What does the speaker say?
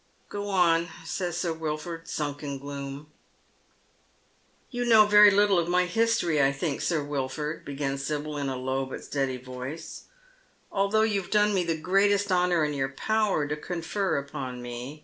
"Go on," says Sir Wilford, sunk in gloom. " You know veiy little of my history, I think, Sir Wilford," begins Sibyl, in a low but steady voice, "although you have done me the greatest honour in your power to confer upon me.